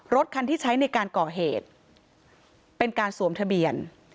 รถคันที่ใช้ในการก่อเหตุเป็นการสวมทะเบียน